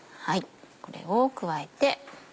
これを加えて。